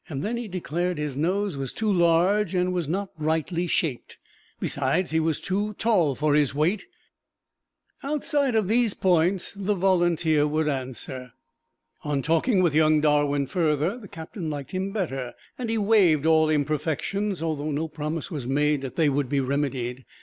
Then he declared his nose was too large and was not rightly shaped; besides, he was too tall for his weight: outside of these points the Volunteer would answer. On talking with young Darwin further, the Captain liked him better, and he waived all imperfections, although no promise was made that they would be remedied.